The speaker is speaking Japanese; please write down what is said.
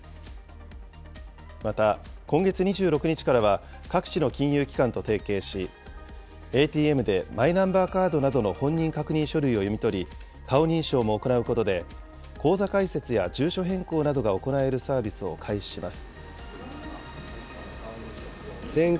また、今月２６日からは、各地の金融機関と提携し、ＡＴＭでマイナンバーカードなどの本人確認書類を読み取り、顔認証も行うことで、口座開設や住所変更などが行えるサービスを開始します。